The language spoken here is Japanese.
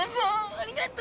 ありがと。